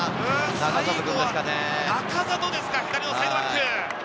最後は仲里ですか、左のサイドバック。